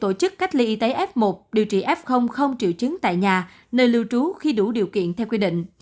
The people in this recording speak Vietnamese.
tổ chức cách ly y tế f một điều trị f không triệu chứng tại nhà nơi lưu trú khi đủ điều kiện theo quy định